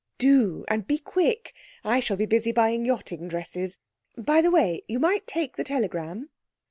'Do, and be quick; I shall be busy buying yachting dresses. By the way, you might take the telegram.'